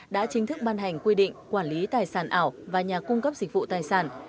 đã chính thức ban hành quy định quản lý tài sản ảo và nhà cung cấp dịch vụ tài sản